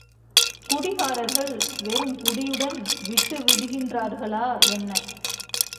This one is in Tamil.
குடிகாரர்கள் வெறுங்குடியுடன் விட்டு விடுகின்றார்களா என்ன?